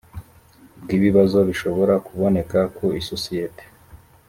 bw ibibazo bishobora kuboneka ku isosiyete